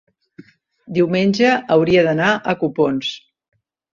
diumenge hauria d'anar a Copons.